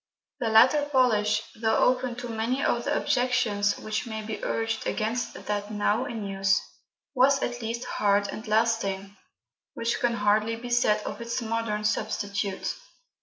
The latter polish, though open to many of the objections which may be urged against that now in use, was at least hard and lasting, which can hardly be said of its modern substitute.